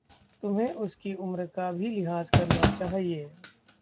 तुम्हे उसकी उम्र का भी लिहाज करना चाहिए।